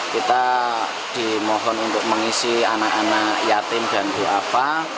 kita dimohon untuk mengisi anak anak yatim dan buah pang